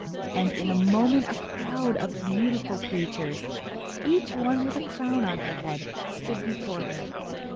And in a moment a crowd of beautiful creatures, each one with a crown on her head, stood before her.